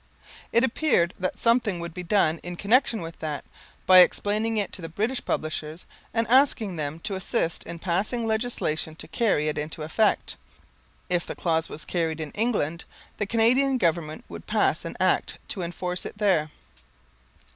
It appeared that something would be done in connection with that, by explaining it to the British publishers, and asking them to assist in passing legislation to carry it into effect. If the clause was carried in England, the Canadian Government would pass an Act to enforce it there."